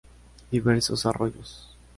Diversos arroyos.